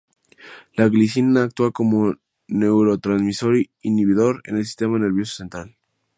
La glicina actúa como neurotransmisor inhibidor en el sistema nervioso central.